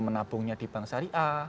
menabungnya di bank syariah